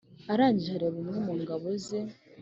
arangije areba umwe mungabo ze